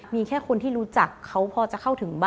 มีแค่คนที่รู้จักเขาพอจะเข้าถึงบ้าน